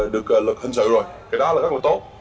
được lực hình dự rồi cái đó là rất là tốt